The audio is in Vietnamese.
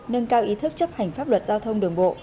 nâng cao ý thức chấp hành pháp luật giao thông đường bộ